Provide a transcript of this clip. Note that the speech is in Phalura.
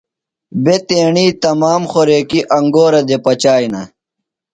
بےۡ تیݨی تمام خوریکیۡ انگورہ دےۡ پچِیانہ۔